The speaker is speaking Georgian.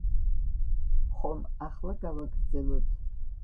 ხომ, ახლა გავაგრძელოთ.